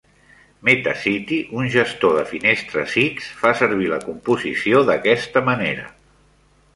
Metacity, un gestor de finestres X fa servir la composició d'aquesta manera.